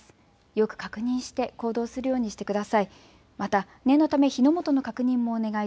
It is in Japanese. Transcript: よく確認して行動するようにしてください。